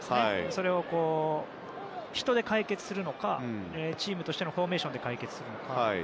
それを人で解決するのかチームとしてのフォーメーションで解決するのか。